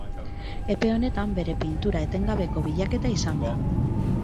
Epe honetan bere pintura etengabeko bilaketa izan da.